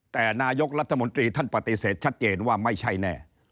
แต่นายกรัฐมนตรีท่านปฏิเสธชัดเจนว่าไม่ใช่แน่